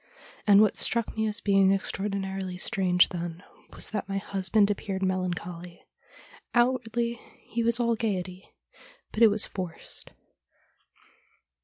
And what struck me as being ex traordinarily strange then was that my husband appeared melancholy. Outwardly he was all gaiety, but it was forced.